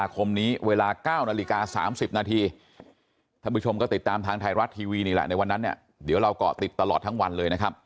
พี่ถามทุกคนก็ติดตามทางทรัยรัจทีวีนี้แหละในวันนั้นเนี่ยเดี๋ยวเราก็ติดตลอดทั้งวันนี้นะครับ